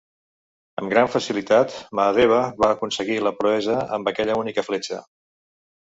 Amb gran facilitat, Mahadeva va aconseguir la proesa amb aquella única fletxa.